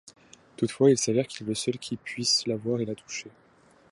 Toutefois, il s'avère qu'il est le seul qui puisse la voir et la toucher.